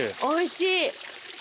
おいしい。